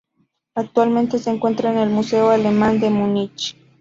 Actualmente se encuentra en el museo alemán de Múnich.